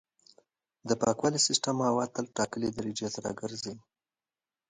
پاکوالي سیستم هوا تل ټاکلې درجې ته راګرځوي.